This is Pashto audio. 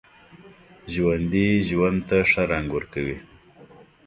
ژوندي ژوند ته ښه رنګ ورکوي